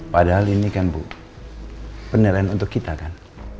padahal ini kan bu penilaian untuk kita kan